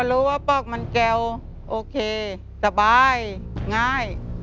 บอกว่าป๊อกมันแก้วโอเคสบายง่าย